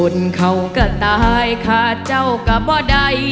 เขาก็ตายขาดเจ้าก็บ่ใด